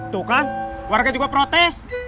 tuh kan warga juga protes